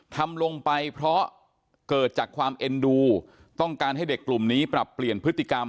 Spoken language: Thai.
ทำลงไปเพราะเกิดจากความเอ็นดูต้องการให้เด็กกลุ่มนี้ปรับเปลี่ยนพฤติกรรม